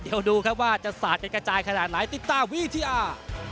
เดี๋ยวดูครับว่าจะสาดกันกระจายขนาดไหนติดตามวิทยา